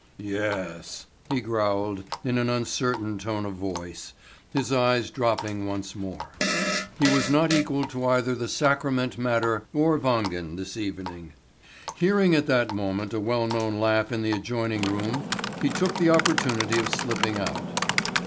"Ye es," he growled in an uncertain tone of voice, his eyes dropping once more. He was not equal to either the sacrament matter or Wangen this evening. Hearing at that moment a well known laugh in the adjoining room, he took the opportunity of slipping out.